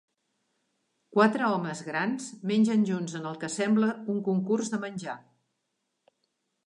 Quatre homes grans mengen junts en el que sembla un concurs de menjar.